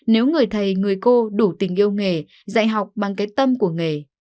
với cô đủ tình yêu nghề dạy học bằng cái tâm của nghề